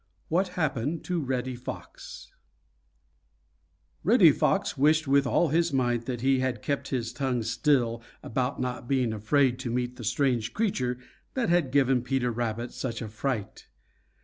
XI WHAT HAPPENED TO REDDY FOX Reddy Fox wished with all his might that he had kept his tongue still about not being afraid to meet the strange creature that had given Peter Rabbit such a fright.